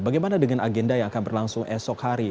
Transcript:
bagaimana dengan agenda yang akan berlangsung esok hari